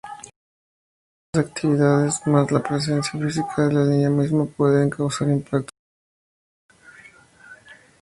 Estas actividades, más la presencia física de la línea misma, pueden causar impactos ambientales.